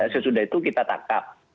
sesudah itu kita tangkap